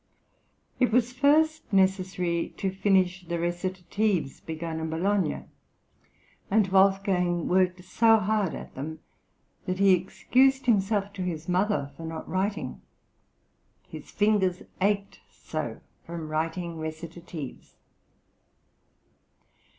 It was first necessary to finish the recitatives begun in Bologna, and Wolfgang worked so hard at them that he excused himself to his mother for not writing: "His fingers ached so from writing recitatives."